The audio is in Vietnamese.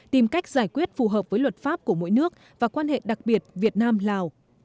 tìm cách giải quyết phù hợp với luật pháp của mỗi nước và quan hệ đặc biệt việt nam lào